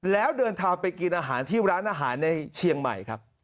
แล้วเดินทางไปกินอาหารที่ร้านอาหารในเชียงใหม่ครับ